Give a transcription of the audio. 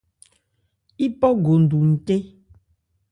Yípɔ go ndu ncɛ́n.